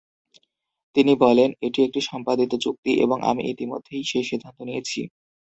তিনি বলেন, "এটি একটি সম্পাদিত চুক্তি" এবং "আমি ইতিমধ্যেই সেই সিদ্ধান্ত নিয়েছি।